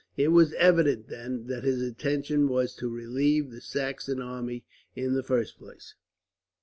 It was evident, then, that his intention was to relieve the Saxon army, in the first place.